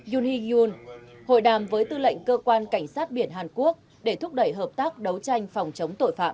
yuni yun hội đàm với tư lệnh cơ quan cảnh sát biển hàn quốc để thúc đẩy hợp tác đấu tranh phòng chống tội phạm